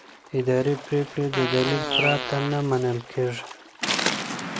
اداري پریکړې د دلیل پرته نه منل کېږي.